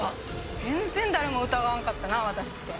全然誰も疑わんかったな私って。